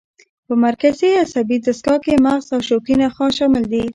په مرکزي عصبي دستګاه کې مغز او شوکي نخاع شامل دي.